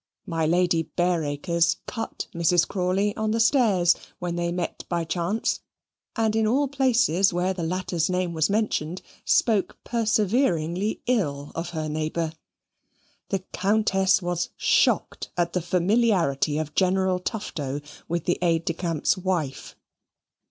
My Lady Bareacres cut Mrs. Crawley on the stairs when they met by chance; and in all places where the latter's name was mentioned, spoke perseveringly ill of her neighbour. The Countess was shocked at the familiarity of General Tufto with the aide de camp's wife.